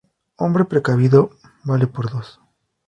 Hombre precavido, vale por dos